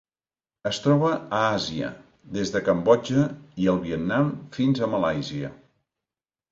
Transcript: Es troba a Àsia: des de Cambodja i el Vietnam fins a Malàisia.